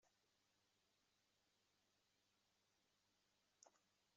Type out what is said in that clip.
Ur yesteɛṛef s lexṣara-nnes.